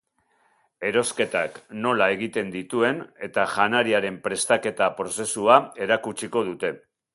Erosketak nola egiten dituen eta janariaren prestaketa prozesua erakutsiko dute.